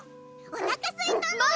おなかすいたの？